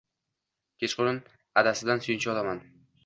Kechqurun adasidan suyunchi olaman.